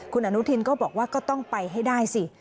คุณอนุทินก็บอกว่าก็ต้องไปให้ได้สิ